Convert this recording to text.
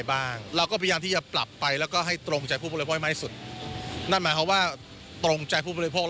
ยังมีทิศทางไปได้สวย